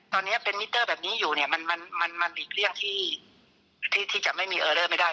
ตอนนี้เป็นมิเตอร์แบบนี้อยู่มันมีเรื่องที่จะไม่มีเออเรอไม่ได้